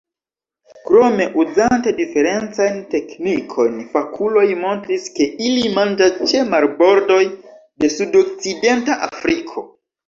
Krome, uzante diferencajn teknikojn, fakuloj montris, ke ili manĝas ĉe marbordoj de sudokcidenta Afriko.